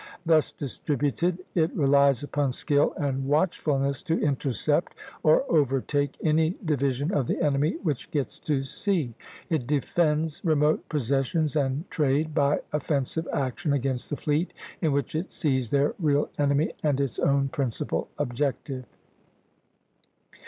Thus distributed, it relies upon skill and watchfulness to intercept or overtake any division of the enemy which gets to sea. It defends remote possessions and trade by offensive action against the fleet, in which it sees their real enemy and its own principal objective.